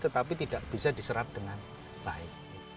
tetapi tidak bisa diserap dengan baik